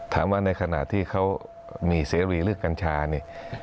ถามว่าในขณะที่เขามีเสรีเรื่องกัญชานี่